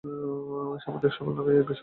সামুদ্রিক শৈবাল নামেই এর বেশি পরিচিতি।